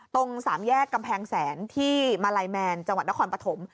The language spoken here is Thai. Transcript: ตรงสามแยกกำแพงแสนที่มาลัยแมนจังหวัดนครปฐม